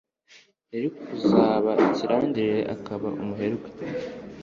yari kuzaba ikirangirire, akaba umuherwe